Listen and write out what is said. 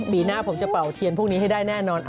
ปีหน้าผมจะเป่าเทียนพวกนี้ให้ได้แน่นอน